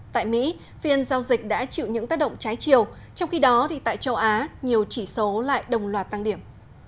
tại mỹ phiên giao dịch đã chịu những tác động trái chiều trong khi đó tại châu á nhiều chỉ số lại đồng loạt tăng điểm